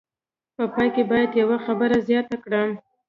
په پای کې باید یوه خبره زیاته کړم.